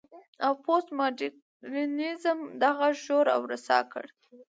او پوسټ ماډرنيزم دا غږ ژور او رسا کړ.